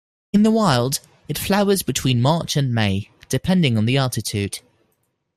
In the wild, it flowers between March and May, depending on the altitude.